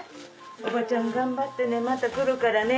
「おばちゃん頑張ってねまた来るからね」